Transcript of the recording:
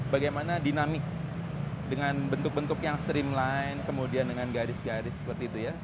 bagaimana dinamik dengan bentuk bentuk yang streamline kemudian dengan garis garis seperti itu ya